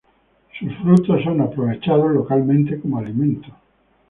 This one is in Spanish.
Sus frutos son aprovechados localmente como alimento.